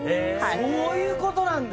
そういうことなんだ。